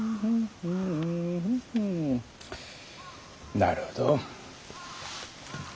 なるほど。